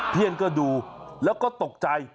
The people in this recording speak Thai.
เพื่อนก็ดูแล้วก็ตกใจ